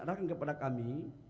adakan kepada kami